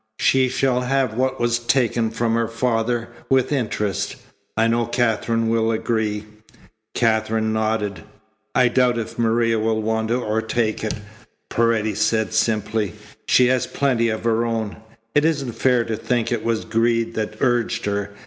She shall have what was taken from her father, with interest. I know Katherine will agree." Katherine nodded. "I doubt if Maria will want it or take it," Paredes said simply. "She has plenty of her own. It isn't fair to think it was greed that urged her.